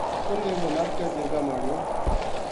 انھ نے وہ نپ کے جرگا ما آنیو